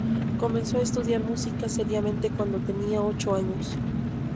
Comenzó a estudiar música seriamente cuando tenía ocho años.